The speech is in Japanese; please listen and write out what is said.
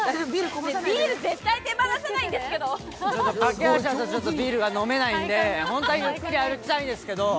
ビール絶対、手放さないんですけど駆け足だとビールが飲めないんで、本当はゆっくり歩きたいんだけど。